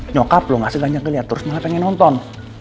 nyokap lo gak segaja ngeliat terus mulai pengen nonton